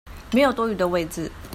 沒有多餘的位子